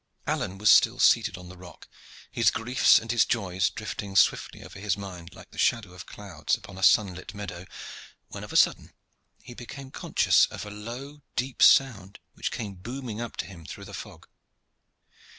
Alleyne was still seated on the rock, his griefs and his joys drifting swiftly over his mind like the shadow of clouds upon a sunlit meadow, when of a sudden he became conscious of a low, deep sound which came booming up to him through the fog.